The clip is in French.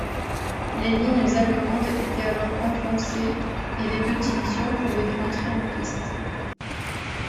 Les lignes allemandes étaient alors enfoncées et les deux divisions pouvaient entrer en piste.